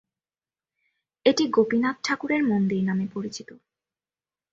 এটি গোপীনাথ ঠাকুরের মন্দির নামে পরিচিত।